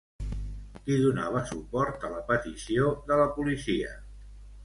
Qui donava suport a la petició de la policia?